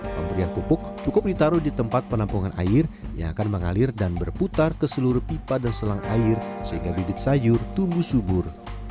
pemberian pupuk cukup ditaruh di tempat penampungan air yang akan mengalir dan berputar ke seluruh pipa dan selang air sehingga bibit sayur tumbuh subur